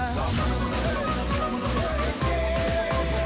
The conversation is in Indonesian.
sambung menyambung menjadi satu